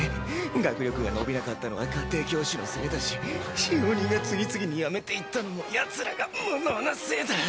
学力が伸びなかったのは家庭教師のせいだし使用人が次々に辞めていったのもヤツらが無能なせいだ。